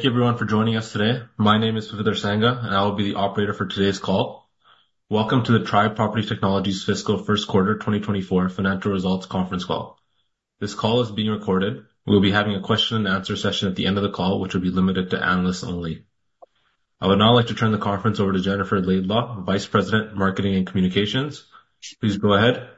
Thank you everyone for joining us today. My name is Vida Sanga, and I will be the operator for today's call. Welcome to the Tribe Property Technologies Fiscal First Quarter 2024 financial results conference call. This call is being recorded. We'll be having a question and answer session at the end of the call, which will be limited to analysts only. I would now like to turn the conference over to Jennifer Laidlaw, Vice President, Marketing and Communications. Please go ahead.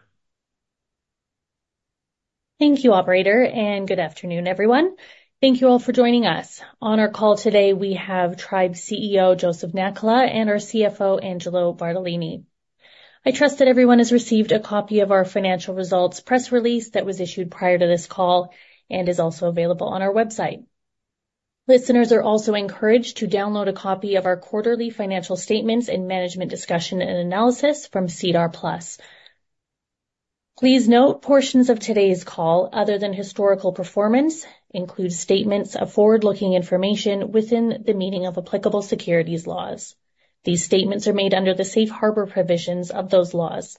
Thank you, operator, and good afternoon, everyone. Thank you all for joining us. On our call today, we have Tribe's CEO, Joseph Nakhla, and our CFO, Angelo Bartolini. I trust that everyone has received a copy of our financial results press release that was issued prior to this call and is also available on our website. Listeners are also encouraged to download a copy of our quarterly financial statements and management discussion and analysis from SEDAR+. Please note, portions of today's call, other than historical performance, include statements of forward-looking information within the meaning of applicable securities laws. These statements are made under the safe harbor provisions of those laws.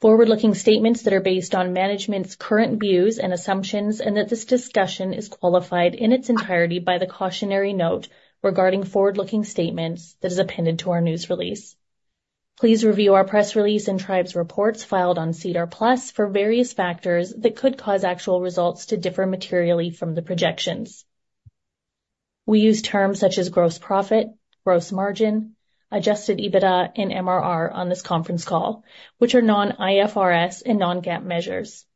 Forward-looking statements that are based on management's current views and assumptions, and that this discussion is qualified in its entirety by the cautionary note regarding forward-looking statements that is appended to our news release. Please review our press release and Tribe's reports filed on SEDAR+ for various factors that could cause actual results to differ materially from the projections. We use terms such as gross profit, gross margin, adjusted EBITDA and MRR on this conference call, which are non-IFRS and non-GAAP measures.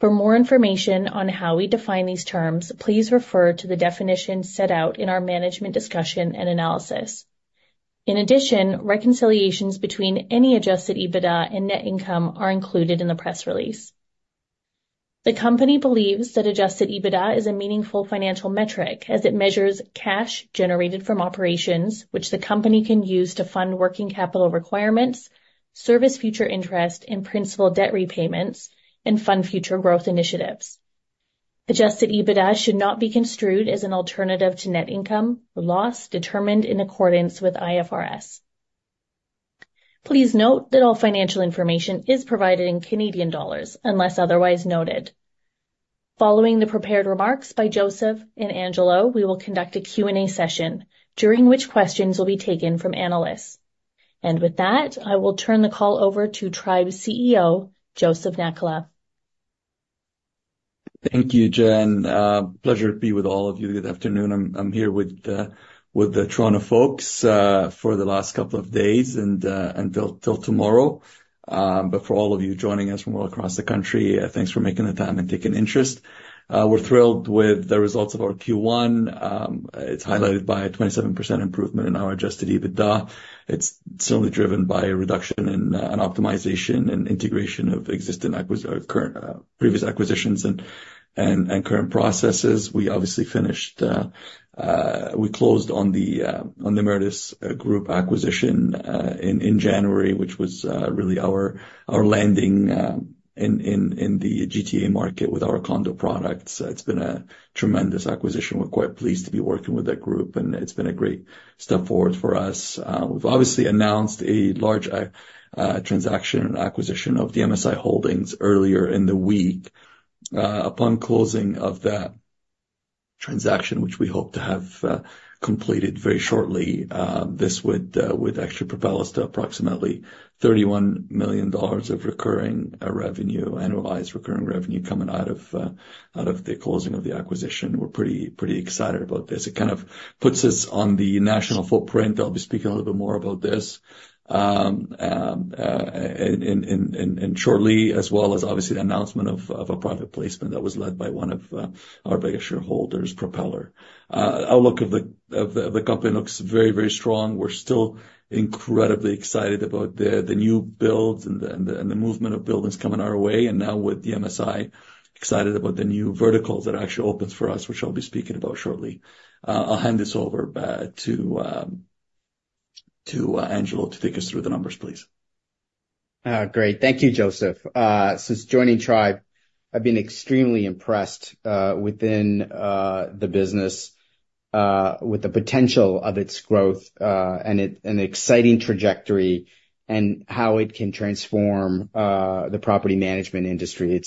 For more information on how we define these terms, please refer to the definition set out in our management discussion and analysis. In addition, reconciliations between any adjusted EBITDA and net income are included in the press release. The company believes that adjusted EBITDA is a meaningful financial metric, as it measures cash generated from operations, which the company can use to fund working capital requirements, service future interest and principal debt repayments, and fund future growth initiatives. Adjusted EBITDA should not be construed as an alternative to net income or loss determined in accordance with IFRS. Please note that all financial information is provided in Canadian dollars, unless otherwise noted. Following the prepared remarks by Joseph and Angelo, we will conduct a Q&A session, during which questions will be taken from analysts. With that, I will turn the call over to Tribe's CEO, Joseph Nakhla. Thank you, Jen. Pleasure to be with all of you. Good afternoon. I'm here with the Toronto folks for the last couple of days, and until tomorrow. But for all of you joining us from all across the country, thanks for making the time and taking interest. We're thrilled with the results of our Q1. It's highlighted by a 27% improvement in our adjusted EBITDA. It's solely driven by a reduction in an optimization and integration of existing current previous acquisitions and current processes. We obviously closed on the Meritus Group acquisition in January, which was really our landing in the GTA market with our condo products. It's been a tremendous acquisition. We're quite pleased to be working with that group, and it's been a great step forward for us. We've obviously announced a large transaction and acquisition of the DMSI Holdings earlier in the week. Upon closing of that transaction, which we hope to have completed very shortly, this would actually propel us to approximately 31 million dollars of recurring revenue, annualized recurring revenue, coming out of the closing of the acquisition. We're pretty, pretty excited about this. It kind of puts us on the national footprint. I'll be speaking a little bit more about this in and shortly, as well as obviously the announcement of a private placement that was led by one of our biggest shareholders, Propeller. Outlook of the company looks very, very strong. We're still incredibly excited about the new builds and the movement of buildings coming our way, and now with the DMSI, excited about the new verticals that actually opens for us, which I'll be speaking about shortly. I'll hand this over to Angelo to take us through the numbers, please. Great. Thank you, Joseph. Since joining Tribe, I've been extremely impressed with the business with the potential of its growth and an exciting trajectory and how it can transform the property management industry.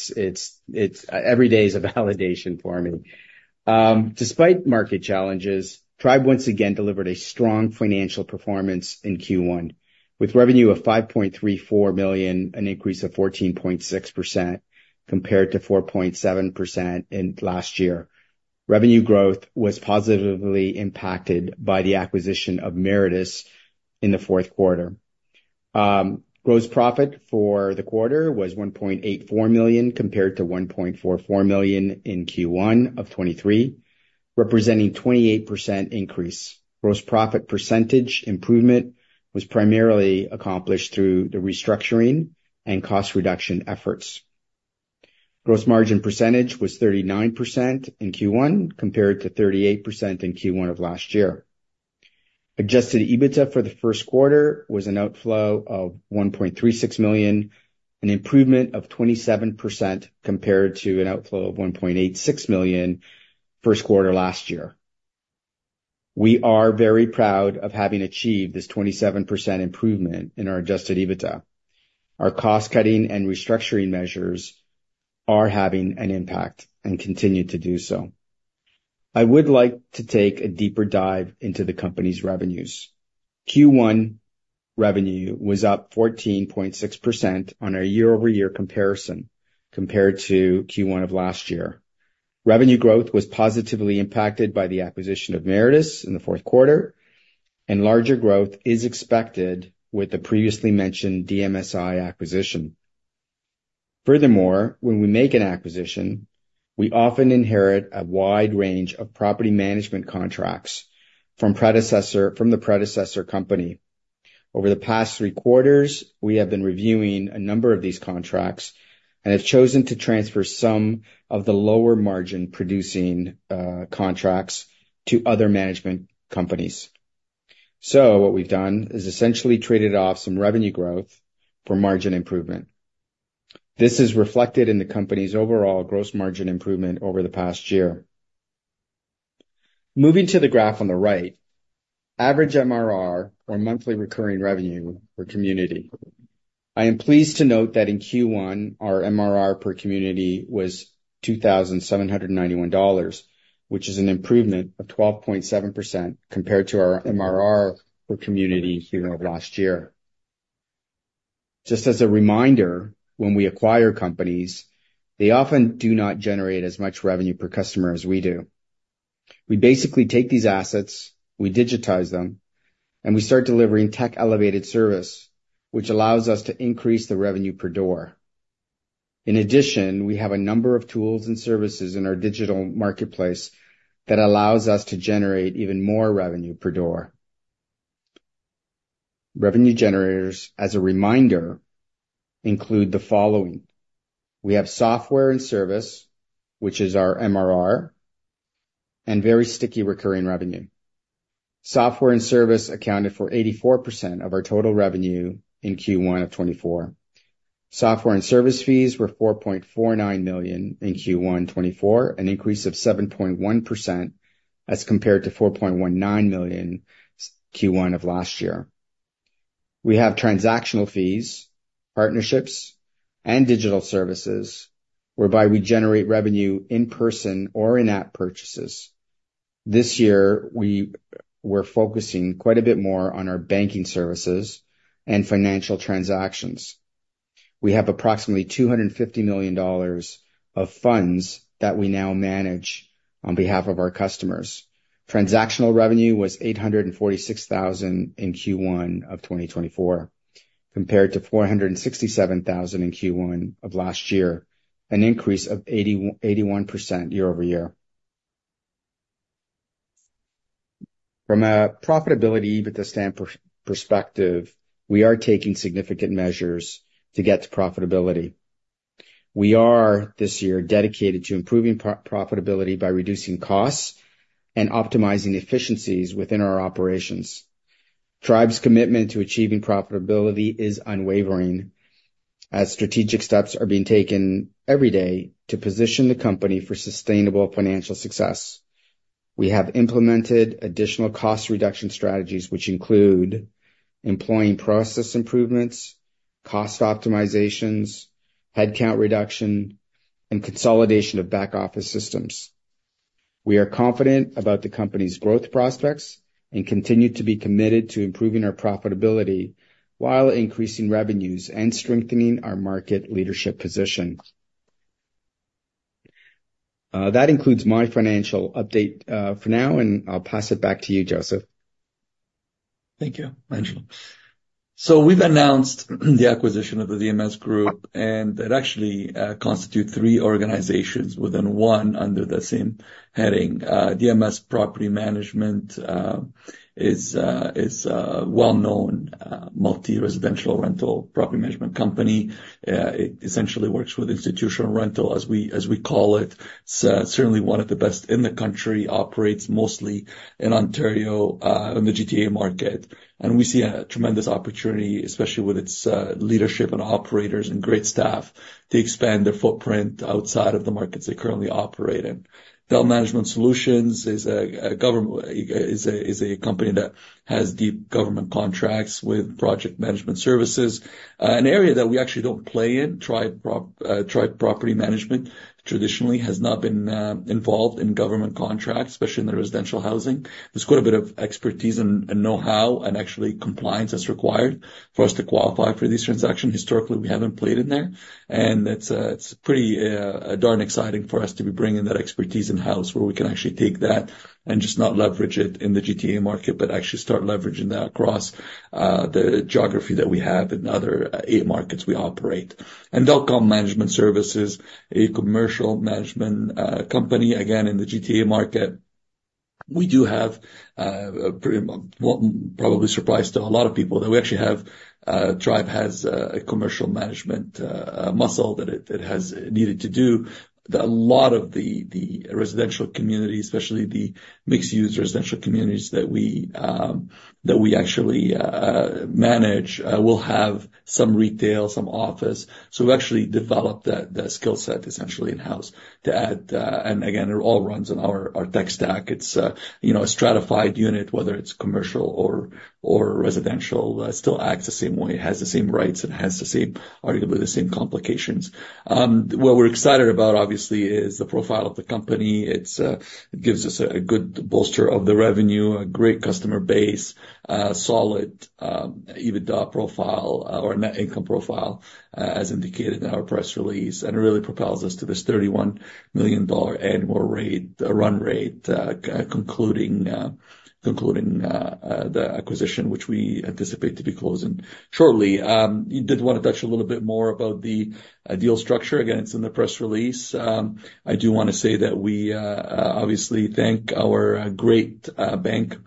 Every day is a validation for me. Despite market challenges, Tribe once again delivered a strong financial performance in Q1, with revenue of 5.34 million, an increase of 14.6% compared to 4.7 million last year. Revenue growth was positively impacted by the acquisition of Meritus in the fourth quarter. Gross profit for the quarter was 1.84 million, compared to 1.44 million in Q1 of 2023, representing 28% increase. Gross profit percentage improvement was primarily accomplished through the restructuring and cost reduction efforts. Gross margin percentage was 39% in Q1, compared to 38% in Q1 of last year. Adjusted EBITDA for the first quarter was an outflow of 1.36 million, an improvement of 27% compared to an outflow of 1.86 million first quarter last year. We are very proud of having achieved this 27% improvement in our adjusted EBITDA. Our cost-cutting and restructuring measures are having an impact and continue to do so. I would like to take a deeper dive into the company's revenues. Q1 revenue was up 14.6% on our year-over-year comparison compared to Q1 of last year. Revenue growth was positively impacted by the acquisition of Meritus in the fourth quarter, and larger growth is expected with the previously mentioned DMSI acquisition. Furthermore, when we make an acquisition, we often inherit a wide range of property management contracts from the predecessor company. Over the past three quarters, we have been reviewing a number of these contracts and have chosen to transfer some of the lower margin-producing contracts to other management companies. So what we've done is essentially traded off some revenue growth for margin improvement. This is reflected in the company's overall gross margin improvement over the past year. Moving to the graph on the right, average MRR, or Monthly Recurring Revenue, per community. I am pleased to note that in Q1, our MRR per community was 2,791 dollars, which is an improvement of 12.7% compared to our MRR per community Q1 of last year. Just as a reminder, when we acquire companies, they often do not generate as much revenue per customer as we do. We basically take these assets, we digitize them, and we start delivering tech-elevated service, which allows us to increase the revenue per door. In addition, we have a number of tools and services in our digital marketplace that allows us to generate even more revenue per door. Revenue generators, as a reminder, include the following: We have software and service, which is our MRR, and very sticky recurring revenue. Software and service accounted for 84% of our total revenue in Q1 of 2024. Software and service fees were 4.49 million in Q1 2024, an increase of 7.1% as compared to 4.19 million, Q1 of last year. We have transactional fees, partnerships, and digital services, whereby we generate revenue in-person or in-app purchases. This year, we're focusing quite a bit more on our banking services and financial transactions. We have approximately 250 million dollars of funds that we now manage on behalf of our customers. Transactional revenue was 846,000 in Q1 of 2024, compared to 467,000 in Q1 of last year, an increase of 81% year-over-year. From a profitability EBITDA perspective, we are taking significant measures to get to profitability. We are, this year, dedicated to improving profitability by reducing costs and optimizing efficiencies within our operations. Tribe's commitment to achieving profitability is unwavering, as strategic steps are being taken every day to position the company for sustainable financial success. We have implemented additional cost reduction strategies, which include employing process improvements, cost optimizations, headcount reduction, and consolidation of back office systems. We are confident about the company's growth prospects and continue to be committed to improving our profitability while increasing revenues and strengthening our market leadership position. That includes my financial update for now, and I'll pass it back to you, Joseph. Thank you, Angelo. So we've announced the acquisition of the DMS Group, and that actually constitute three organizations within one under the same heading. DMS Property Management is a well-known multi-residential rental property management company. It essentially works with institutional rental, as we call it. It's certainly one of the best in the country, operates mostly in Ontario, in the GTA market. We see a tremendous opportunity, especially with its leadership and operators and great staff, to expand their footprint outside of the markets they currently operate in. Del Management Solutions is a government... is a company that has deep government contracts with project management services. An area that we actually don't play in, Tribe Property Management, traditionally has not been involved in government contracts, especially in the residential housing. There's quite a bit of expertise and, and know-how, and actually compliance that's required for us to qualify for this transaction. Historically, we haven't played in there, and it's pretty darn exciting for us to be bringing that expertise in-house, where we can actually take that and just not leverage it in the GTA market, but actually start leveraging that across the geography that we have in the other eight markets we operate. And Delcom Management Services, a commercial management company, again, in the GTA market.... We do have a pretty, well, probably surprise to a lot of people, that we actually have, Tribe has, a commercial management, muscle that it, it has needed to do. That a lot of the, the residential community, especially the mixed use residential communities that we, that we actually, manage, will have some retail, some office. So we actually developed that, that skill set essentially in-house to add, and again, it all runs on our, our tech stack. It's, you know, a stratified unit, whether it's commercial or, or residential, still acts the same way, it has the same rights, it has the same, arguably, the same complications. What we're excited about, obviously, is the profile of the company. It gives us a good bolster of the revenue, a great customer base, solid EBITDA profile or net income profile, as indicated in our press release, and it really propels us to this 31 million dollar annual run rate, concluding the acquisition, which we anticipate to be closing shortly. I did want to touch a little bit more about the deal structure. Again, it's in the press release. I do want to say that we obviously thank our great bank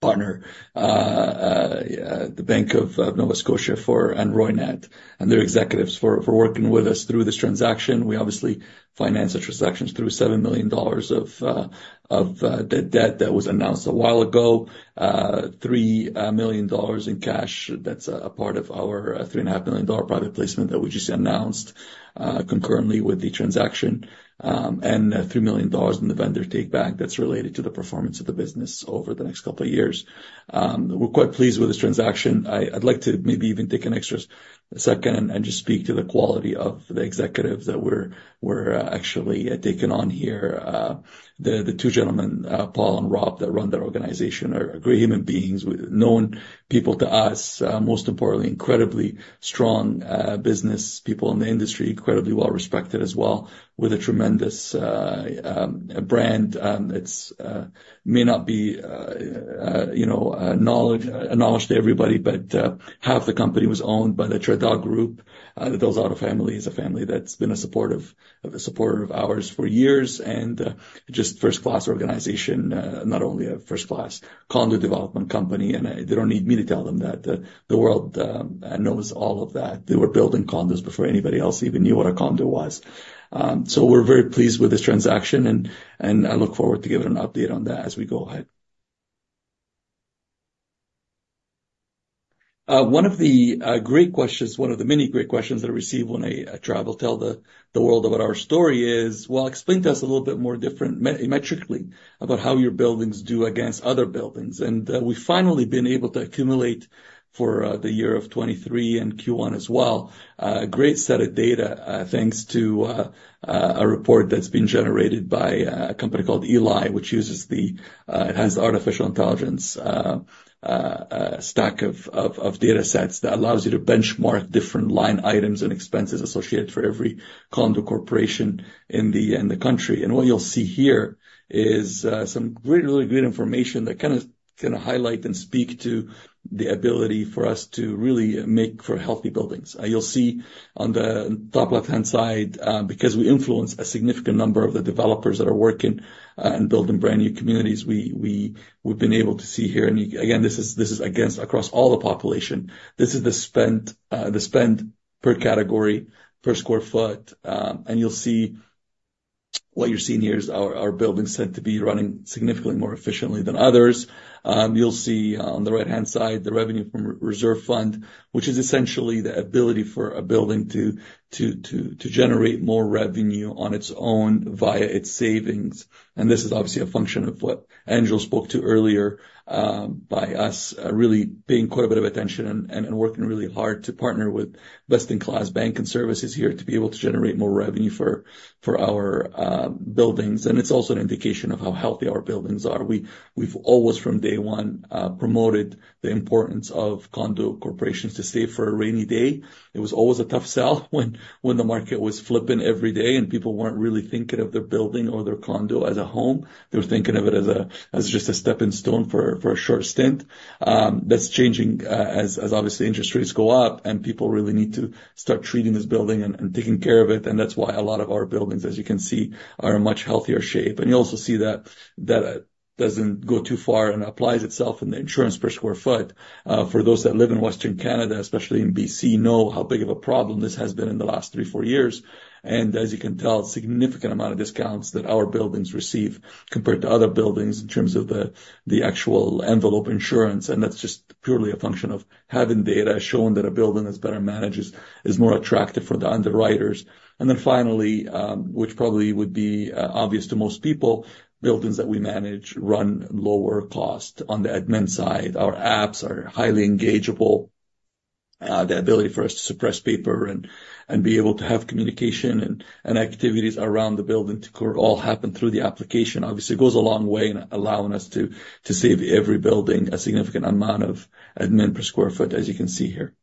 partner, the Bank of Nova Scotia, for, and Roynat and their executives for working with us through this transaction. We obviously finance the transactions through 7 million dollars of the debt that was announced a while ago, 3 million dollars in cash. That's a part of our 3.5 million dollar private placement that we just announced, concurrently with the transaction, and 3 million dollars in the Vendor Take Back that's related to the performance of the business over the next couple of years. We're quite pleased with this transaction. I'd like to maybe even take an extra second and just speak to the quality of the executives that we're actually taking on here. The two gentlemen, Paul and Rob, that run their organization, are great human beings, known people to us, most importantly, incredibly strong business people in the industry. Incredibly well-respected as well, with a tremendous brand. It may not be, you know, acknowledged to everybody, but half the company was owned by the Tridel Group. The DelZotto family is a family that's been a supporter of ours for years, and just first-class organization, not only a first-class condo development company, and they don't need me to tell them that. The world knows all of that. They were building condos before anybody else even knew what a condo was. So we're very pleased with this transaction, and I look forward to giving an update on that as we go ahead. One of the great questions, one of the many great questions that I receive when Tribe will tell the world about our story is: Well, explain to us a little bit more different metrically, about how your buildings do against other buildings. We've finally been able to accumulate for the year of 2023 and Q1 as well a great set of data, thanks to a report that's been generated by a company called Eli, which uses artificial intelligence stack of data sets that allows you to benchmark different line items and expenses associated for every condo corporation in the country. And what you'll see here is some really, really great information that kind of, kind of highlight and speak to the ability for us to really make for healthy buildings. You'll see on the top left-hand side, because we influence a significant number of the developers that are working and building brand new communities, we've been able to see here, and again, this is against across all the population. This is the spend per category, per square foot. And you'll see, what you're seeing here is our buildings said to be running significantly more efficiently than others. You'll see on the right-hand side, the revenue from reserve fund, which is essentially the ability for a building to generate more revenue on its own via its savings. This is obviously a function of what Andrew spoke to earlier, by us really paying quite a bit of attention and working really hard to partner with best-in-class banking services here to be able to generate more revenue for our buildings. And it's also an indication of how healthy our buildings are. We've always, from day one, promoted the importance of condo corporations to save for a rainy day. It was always a tough sell when the market was flipping every day, and people weren't really thinking of their building or their condo as a home. They were thinking of it as just a stepping stone for a short stint. That's changing, as obviously interest rates go up, and people really need to start treating this building and taking care of it. And that's why a lot of our buildings, as you can see, are in much healthier shape. And you also see that, that, doesn't go too far and applies itself in the insurance per sq ft. For those that live in Western Canada, especially in BC, know how big of a problem this has been in the last three, four years. And as you can tell, significant amount of discounts that our buildings receive compared to other buildings in terms of the, the actual envelope insurance, and that's just purely a function of having data shown that a building that's better managed is, is more attractive for the underwriters. And then finally, which probably would be, obvious to most people, buildings that we manage run lower cost on the admin side. Our apps are highly engageable. The ability for us to suppress paper and be able to have communication and activities around the building to all happen through the application. Obviously, it goes a long way in allowing us to save every building a significant amount of admin per square foot, as you can see here....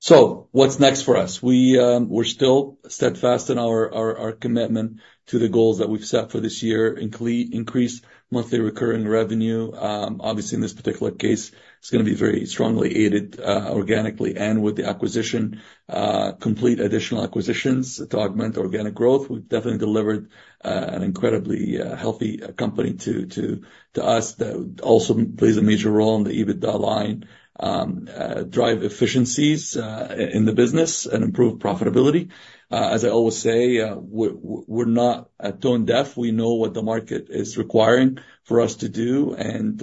So what's next for us? We're still steadfast in our commitment to the goals that we've set for this year, increase monthly recurring revenue. Obviously, in this particular case, it's gonna be very strongly aided organically and with the acquisition complete additional acquisitions to augment organic growth. We've definitely delivered an incredibly healthy company to us, that also plays a major role in the EBITDA line. Drive efficiencies in the business and improve profitability. As I always say, we're not tone deaf. We know what the market is requiring for us to do, and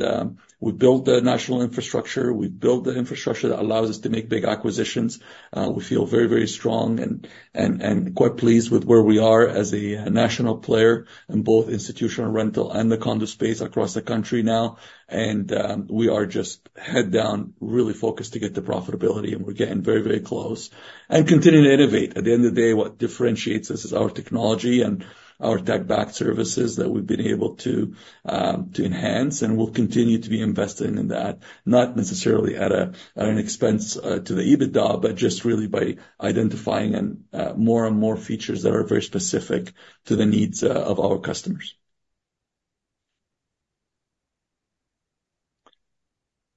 we built the national infrastructure, we've built the infrastructure that allows us to make big acquisitions. We feel very, very strong and quite pleased with where we are as a national player in both institutional rental and the condo space across the country now. We are just head down, really focused to get the profitability, and we're getting very, very close and continuing to innovate. At the end of the day, what differentiates us is our technology and our tech-backed services that we've been able to enhance, and we'll continue to be investing in that. Not necessarily at a, at an expense to the EBITDA, but just really by identifying and, more and more features that are very specific to the needs of our customers.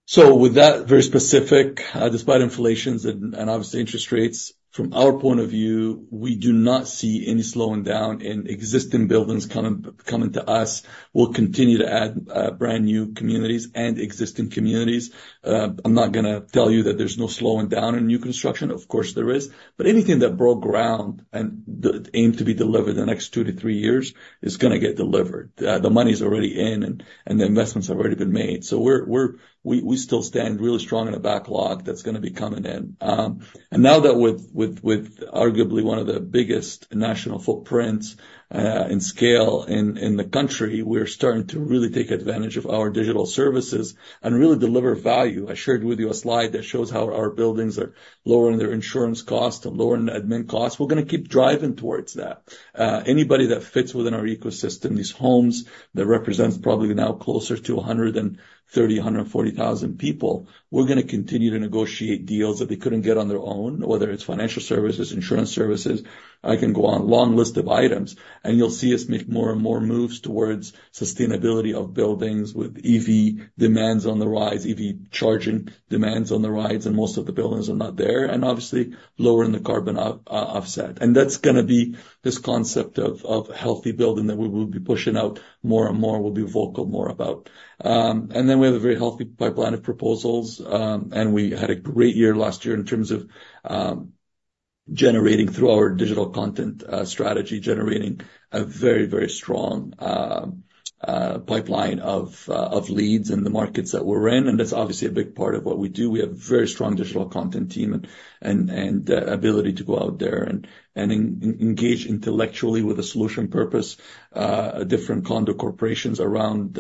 So with that, very specific, despite inflations and, and obviously interest rates, from our point of view, we do not see any slowing down in existing buildings coming to us. We'll continue to add, brand new communities and existing communities. I'm not gonna tell you that there's no slowing down in new construction. Of course there is. But anything that broke ground and that aim to be delivered in the next two to three years is gonna get delivered. The money's already in, and, and the investments have already been made. So we're, we're-- we, we still stand really strong in a backlog that's gonna be coming in. And now that with arguably one of the biggest national footprints in scale in the country, we're starting to really take advantage of our digital services and really deliver value. I shared with you a slide that shows how our buildings are lowering their insurance costs and lowering the admin costs. We're gonna keep driving towards that. Anybody that fits within our ecosystem, these homes, that represents probably now closer to 130,000-140,000 people, we're gonna continue to negotiate deals that they couldn't get on their own, whether it's financial services, insurance services. I can go on, long list of items, and you'll see us make more and more moves towards sustainability of buildings with EV demands on the rise, EV charging demands on the rise, and most of the buildings are not there, and obviously lowering the carbon off-offset. And that's gonna be this concept of, of healthy building that we will be pushing out more and more, we'll be vocal more about. And then we have a very healthy pipeline of proposals, and we had a great year last year in terms of, generating through our digital content, strategy, generating a very, very strong, pipeline of, of leads in the markets that we're in, and that's obviously a big part of what we do. We have very strong digital content team and ability to go out there and engage intellectually with a solution purpose, different condo corporations around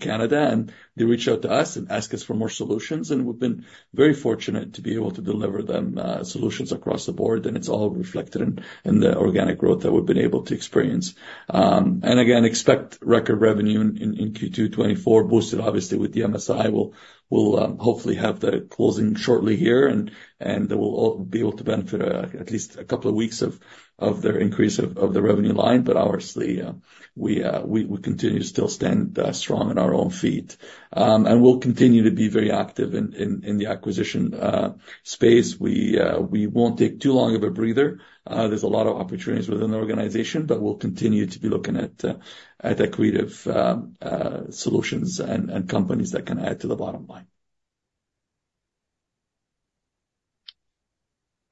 Canada, and they reach out to us and ask us for more solutions, and we've been very fortunate to be able to deliver them solutions across the board, and it's all reflected in the organic growth that we've been able to experience. And again, expect record revenue in Q2 2024, boosted obviously with DMSI. We'll hopefully have the closing shortly here, and we'll all be able to benefit at least a couple of weeks of their increase of the revenue line. But obviously, we continue to still stand strong on our own feet. And we'll continue to be very active in the acquisition space. We won't take too long of a breather. There's a lot of opportunities within the organization, but we'll continue to be looking at accretive solutions and companies that can add to the bottom line.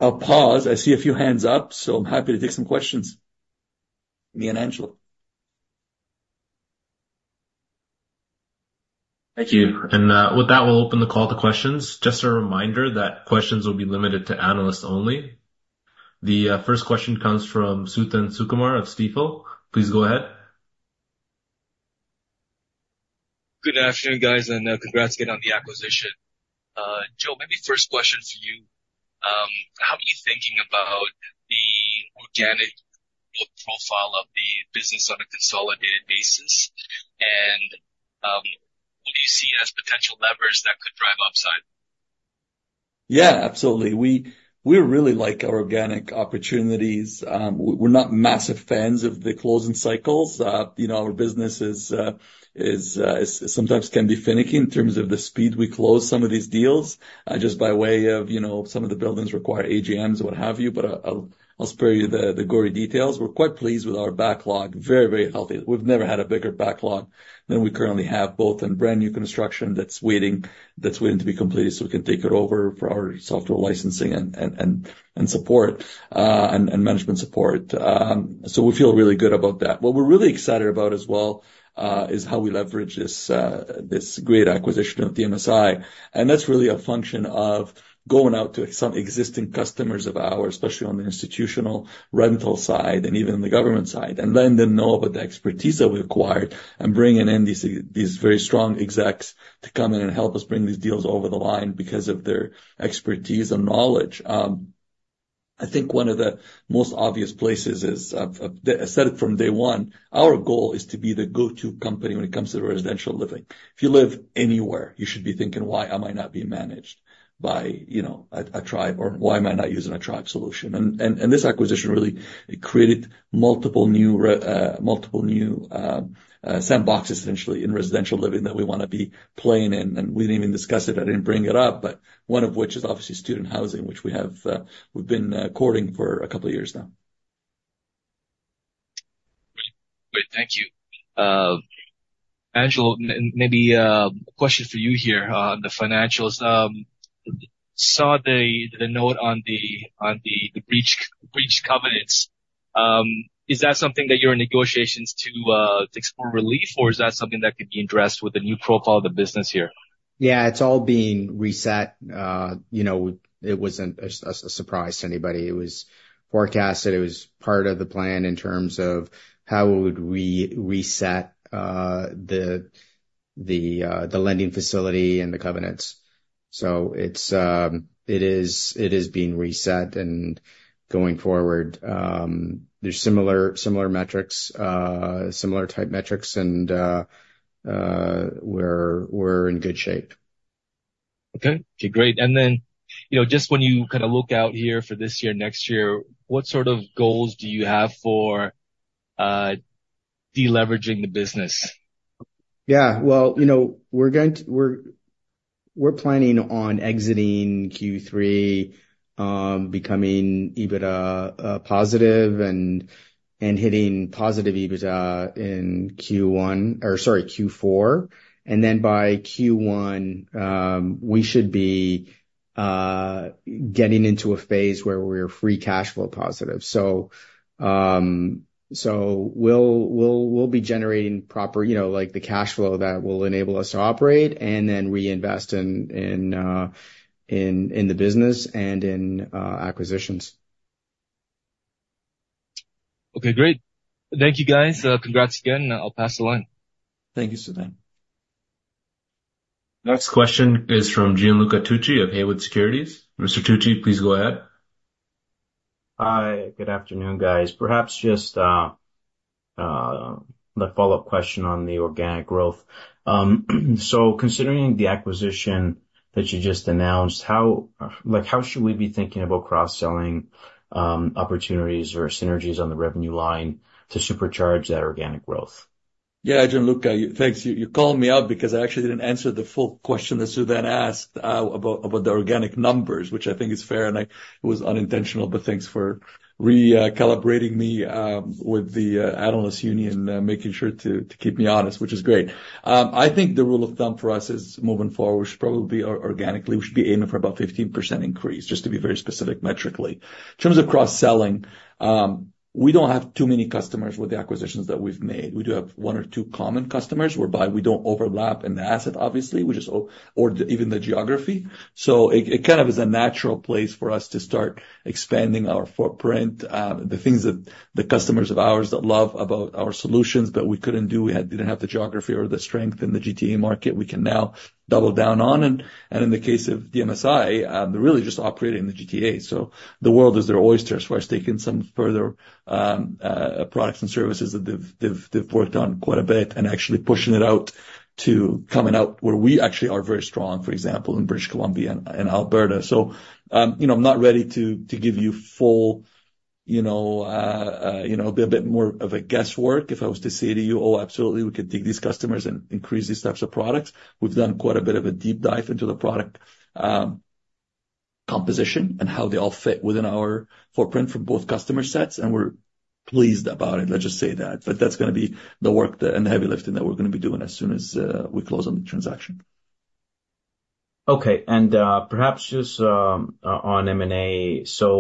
I'll pause. I see a few hands up, so I'm happy to take some questions. Me and Angelo. Thank you. With that, we'll open the call to questions. Just a reminder that questions will be limited to analysts only. The first question comes from Suthan Sukumar of Stifel. Please go ahead. Good afternoon, guys, and congrats again on the acquisition. Joe, maybe first question for you. How are you thinking about the organic profile of the business on a consolidated basis? And, what do you see as potential levers that could drive upside? Yeah, absolutely. We really like our organic opportunities. We're not massive fans of the closing cycles. You know, our business is sometimes can be finicky in terms of the speed we close some of these deals, just by way of, you know, some of the buildings require AGMs or what have you, but I'll spare you the gory details. We're quite pleased with our backlog. Very, very healthy. We've never had a bigger backlog than we currently have, both in brand new construction that's waiting to be completed, so we can take it over for our software licensing and support and management support. So we feel really good about that. What we're really excited about as well is how we leverage this great acquisition of DMSI, and that's really a function of going out to some existing customers of ours, especially on the institutional rental side and even on the government side, and letting them know about the expertise that we acquired and bringing in these very strong execs to come in and help us bring these deals over the line because of their expertise and knowledge. I think one of the most obvious places is, I've said it from day one, our goal is to be the go-to company when it comes to residential living. If you live anywhere, you should be thinking, "Why am I not being managed by, you know, a Tribe, or why am I not using a Tribe solution?" And this acquisition really created multiple new sandboxes, essentially, in residential living that we wanna be playing in. And we didn't even discuss it, I didn't bring it up, but one of which is obviously student housing, which we have, we've been courting for a couple years now. Great. Thank you. Angelo, maybe, question for you here on the financials. Saw the note on the breach covenants. Is that something that you're in negotiations to explore relief, or is that something that could be addressed with the new profile of the business here? Yeah, it's all being reset. You know, it wasn't a surprise to anybody. It was forecasted, it was part of the plan in terms of how would we reset the lending facility and the covenants. So it's it is, it is being reset and going forward, there's similar metrics, similar type metrics, and we're in good shape. Okay. Okay, great. And then, you know, just when you kind of look out here for this year, next year, what sort of goals do you have for de-leveraging the business? Yeah. Well, you know, we're going to- We're planning on exiting Q3, becoming EBITDA positive and hitting positive EBITDA in Q1... Or sorry, Q4. And then by Q1, we should be getting into a phase where we're free cash flow positive. So, we'll be generating proper, you know, like, the cash flow that will enable us to operate and then reinvest in the business and in acquisitions. Okay, great. Thank you, guys. Congrats again, I'll pass the line. Thank you, Sutan. Next question is from Gianluca Tucci of Haywood Securities. Mr. Tucci, please go ahead. Hi, good afternoon, guys. Perhaps just, the follow-up question on the organic growth. So considering the acquisition that you just announced, how... Like, how should we be thinking about cross-selling, opportunities or synergies on the revenue line to supercharge that organic growth? Yeah, Gianluca, thank you. You called me out because I actually didn't answer the full question that Sutan asked about the organic numbers, which I think is fair, and it was unintentional, but thanks for recalibrating me with the analyst union making sure to keep me honest, which is great. I think the rule of thumb for us is, moving forward, we should probably organically be aiming for about 15% increase, just to be very specific metrically. In terms of cross-selling, we don't have too many customers with the acquisitions that we've made. We do have one or two common customers, whereby we don't overlap in the asset, obviously, or even the geography. So it kind of is a natural place for us to start expanding our footprint. The things that the customers of ours that love about our solutions, but we couldn't do, we didn't have the geography or the strength in the GTA market, we can now double down on. And in the case of DMSI, they're really just operating in the GTA, so the world is their oyster as far as taking some further products and services that they've worked on quite a bit and actually pushing it out to coming out, where we actually are very strong, for example, in British Columbia and Alberta. So, you know, I'm not ready to give you full, you know, a bit more of a guesswork if I was to say to you, "Oh, absolutely, we could take these customers and increase these types of products." We've done quite a bit of a deep dive into the product composition and how they all fit within our footprint for both customer sets, and we're pleased about it, let's just say that. But that's gonna be the work that and the heavy lifting that we're gonna be doing as soon as we close on the transaction. Okay. And, perhaps just, on M&A. So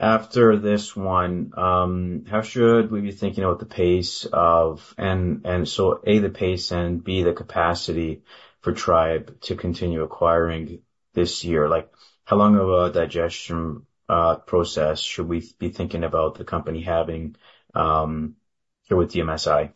after this one, how should we be thinking about the pace of, and, and so, A, the pace, and B, the capacity for Tribe to continue acquiring this year? Like, how long of a digestion, process should we be thinking about the company having, here with DMSI?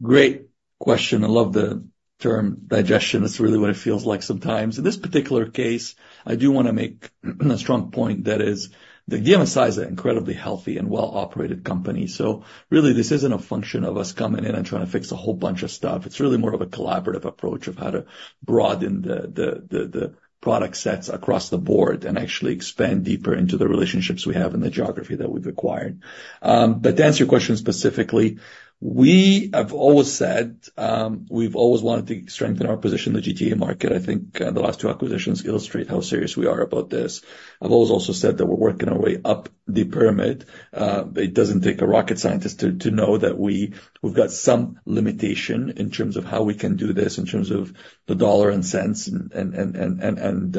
Great question. I love the term digestion. That's really what it feels like sometimes. In this particular case, I do wanna make a strong point, that is, that DMSI is an incredibly healthy and well-operated company. So really, this isn't a function of us coming in and trying to fix a whole bunch of stuff. It's really more of a collaborative approach of how to broaden the product sets across the board and actually expand deeper into the relationships we have in the geography that we've acquired. But to answer your question specifically, we have always said, we've always wanted to strengthen our position in the GTA market. I think, the last two acquisitions illustrate how serious we are about this. I've always also said that we're working our way up the pyramid. It doesn't take a rocket scientist to know that we've got some limitation in terms of how we can do this, in terms of the dollar and cents, and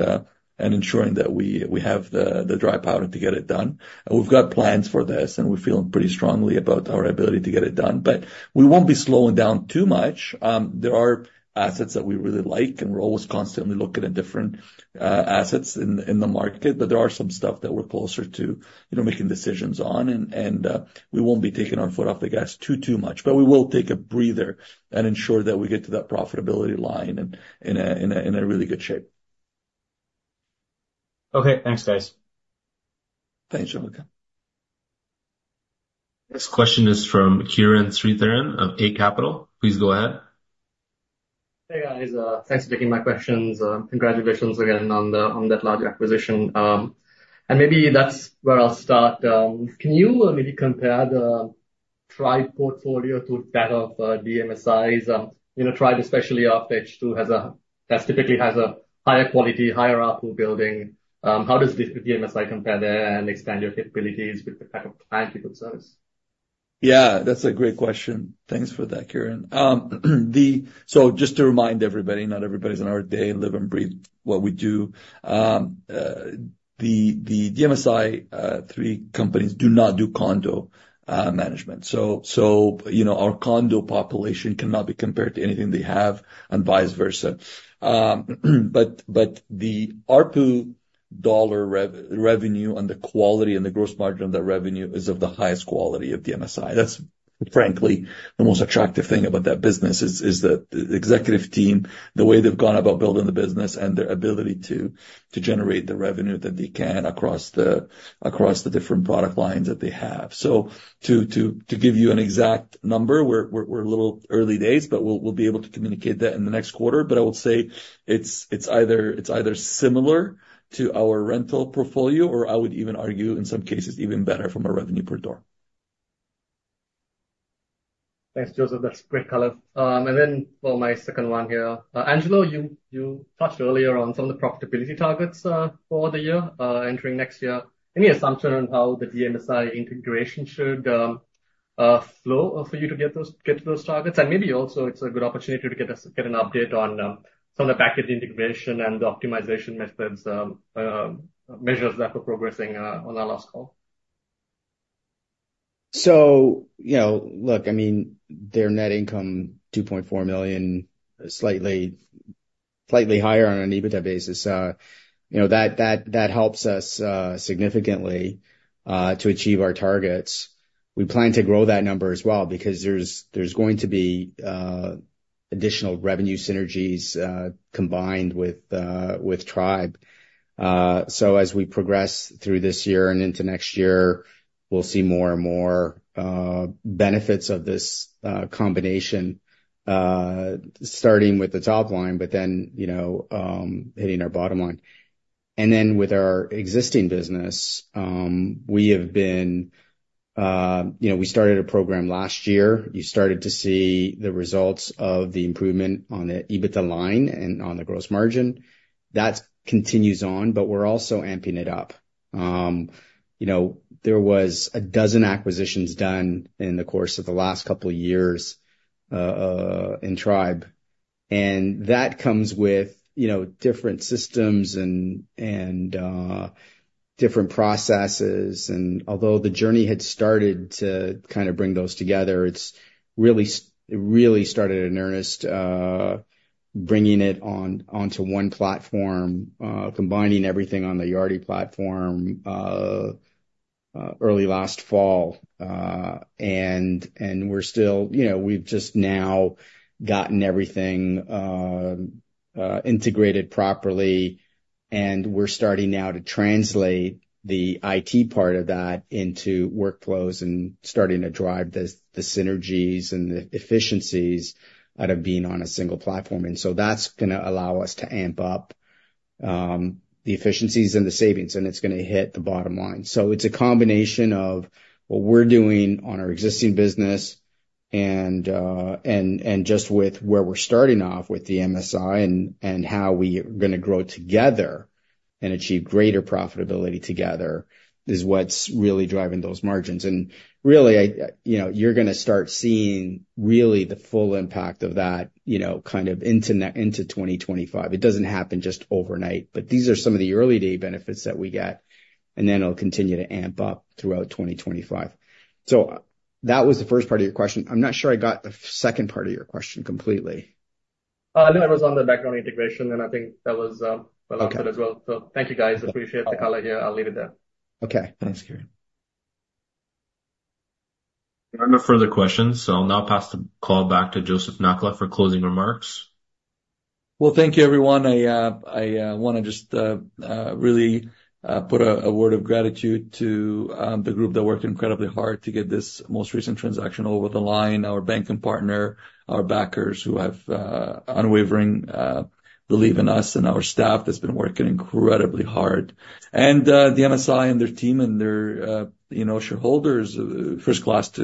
ensuring that we have the dry powder to get it done. And we've got plans for this, and we're feeling pretty strongly about our ability to get it done. But we won't be slowing down too much. There are assets that we really like, and we're always constantly looking at different assets in the market, but there are some stuff that we're closer to, you know, making decisions on. And we won't be taking our foot off the gas too much. But we will take a breather and ensure that we get to that profitability line in a really good shape. Okay, thanks, guys. Thanks, Gianluca. This question is from Kiran Sritharan of Eight Capital. Please go ahead. Hey, guys. Thanks for taking my questions. Congratulations again on that large acquisition. And maybe that's where I'll start. Can you maybe compare the Tribe portfolio to that of DMSI's? You know, Tribe, especially after H2, has typically a higher quality, higher ARPU building. How does this with DMSI compare there and expand your capabilities with the kind of client you could service? Yeah, that's a great question. Thanks for that, Kiran. So just to remind everybody, not everybody's on our day, live and breathe what we do. The DMSI three companies do not do condo management. You know, our condo population cannot be compared to anything they have and vice versa. The ARPU dollar revenue and the quality and the gross margin of that revenue is of the highest quality at DMSI. That's frankly, the most attractive thing about that business is the executive team, the way they've gone about building the business and their ability to generate the revenue that they can across the different product lines that they have. So to give you an exact number, we're a little early days, but we'll be able to communicate that in the next quarter. But I would say it's either similar to our rental portfolio, or I would even argue, in some cases, even better from a revenue per door. Thanks, Joseph. That's great color. And then for my second one here. Angelo, you, you touched earlier on some of the profitability targets, for the year, entering next year. Any assumption on how the DMSI integration should flow for you to get those, get to those targets? And maybe also it's a good opportunity to get an update on some of the package integration and optimization methods, measures that were progressing, on our last call. So, you know, look, I mean, their net income, 2.4 million, slightly, slightly higher on an EBITDA basis. You know, that, that, that helps us significantly to achieve our targets. We plan to grow that number as well, because there's, there's going to be additional revenue synergies combined with with Tribe. So as we progress through this year and into next year, we'll see more and more benefits of this combination starting with the top line, but then, you know, hitting our bottom line. And then with our existing business, we have been... You know, we started a program last year. You started to see the results of the improvement on the EBITDA line and on the gross margin. That continues on, but we're also amping it up. You know, there was a dozen acquisitions done in the course of the last couple of years, in Tribe, and that comes with, you know, different systems and different processes. And although the journey had started to kind of bring those together, it's really it really started in earnest, bringing it on, onto one platform, combining everything on the Yardi platform, early last fall. And we're still, you know, we've just now gotten everything integrated properly, and we're starting now to translate the IT part of that into workflows and starting to drive the synergies and the efficiencies out of being on a single platform. And so that's gonna allow us to amp up the efficiencies and the savings, and it's gonna hit the bottom line. So it's a combination of what we're doing on our existing business and just with where we're starting off with DMSI and how we are gonna grow together and achieve greater profitability together, is what's really driving those margins. And really, you know, you're gonna start seeing really the full impact of that, you know, kind of into 2025. It doesn't happen just overnight, but these are some of the early-day benefits that we get, and then it'll continue to amp up throughout 2025. So that was the first part of your question. I'm not sure I got the second part of your question completely. That was on the background integration, and I think that was well answered as well. Okay. Thank you, guys. Appreciate the color here. I'll leave it there. Okay. Thanks, Kiran. There are no further questions, so I'll now pass the call back to Joseph Nakhla for closing remarks. Well, thank you, everyone. I wanna just really put a word of gratitude to the group that worked incredibly hard to get this most recent transaction over the line, our banking partner, our backers, who have unwavering belief in us, and our staff that's been working incredibly hard. And DMSI and their team and their, you know, shareholders, first-class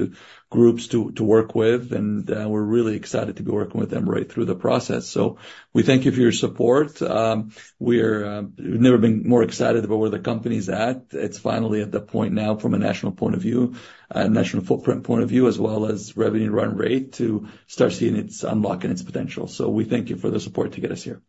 groups to work with, and we're really excited to be working with them right through the process. So we thank you for your support. We've never been more excited about where the company's at. It's finally at the point now from a national point of view, a national footprint point of view, as well as revenue run rate, to start seeing it's unlocking its potential. We thank you for the support to get us here.